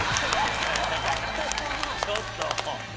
ちょっと！